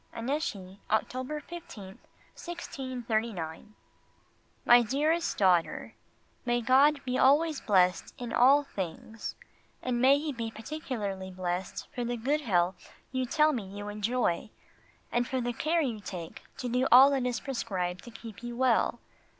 ANNECY, October 15th, 1639. MY DEAREST DAUGHTER, May God be always blessed in all things and may He be particularly blessed for the good health you tell me you enjoy, and for the care you take to do all that is prescribed to keep you well.